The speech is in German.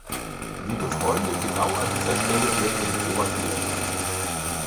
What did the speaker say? Liebe Freunde, genau an dieser Stelle wird ein grober Fehler begangen.